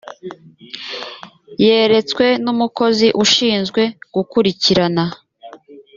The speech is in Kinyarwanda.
yeretswe n’umukozi ushinzwe gukurikirana